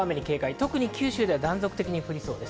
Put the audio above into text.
特に九州では断続的に降りそうです。